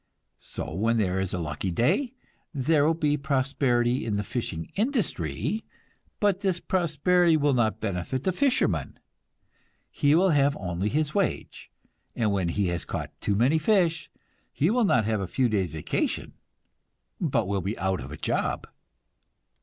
So when there is a lucky day, there will be prosperity in the fishing industry, but this prosperity will not benefit the fisherman; he will have only his wage, and when he has caught too many fish, he will not have a few days' vacation, but will be out of a job.